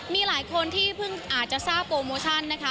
เพื่อคนที่เพิ่งอาจจะทราบโปรโมชั่น